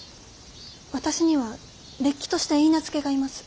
私にはれっきとした許婚がいます。